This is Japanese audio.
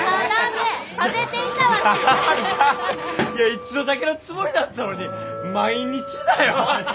いや一度だけのつもりだったのに毎日だよ！